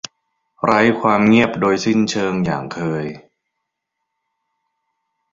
ไร้ความเงียบโดยสิ้นเชิง อย่างเคย